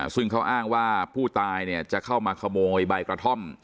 ซึ่งเขาอ้างว่าผู้ตายจะเข้ามาขโมยใบกระท่อม